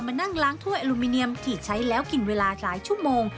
มานั่งล้างถ้วยอลูมิเนียมที่ใช้แล้วกินเวลาหลายชั่วโมง